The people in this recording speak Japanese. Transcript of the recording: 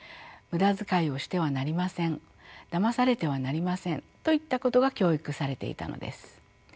無駄遣いをしてはなりませんだまされてはなりませんといったことが教育されていたのです。